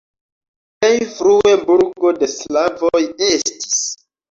Plej frue burgo de slavoj estis.